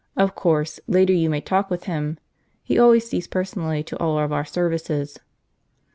"Of course, later you may talk with him. He always sees personally to all of our services."